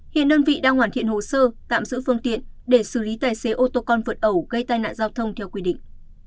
hiện đơn vị đang hoàn thiện hồ sơ tạm giữ phương tiện để xử lý tài xế ô tô con vượt ẩu gây tai nạn giao thông theo quy định